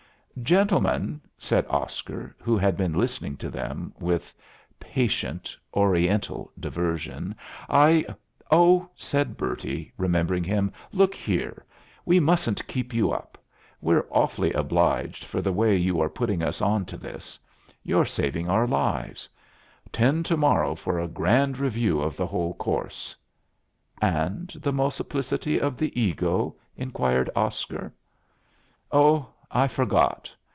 "Gentlemen," said Oscar, who had been listening to them with patient, Oriental diversion, "I " "Oh," said Bertie, remembering him. "Look here. We mustn't keep you up. We're awfully obliged for the way you are putting us on to this. You're saving our lives. Ten to morrow for a grand review of the whole course." "And the multiplicity of the ego?" inquired Oscar. "Oh, I forgot.